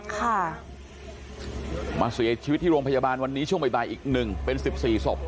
ค่ะมาเสียชีวิตที่โรงพยาบาลวันนี้ช่วงบ่ายอีกหนึ่งเป็นสิบสี่ศพ